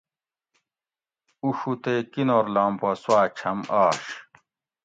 اُڛو تے کِینور لام پا سواۤ چھم آش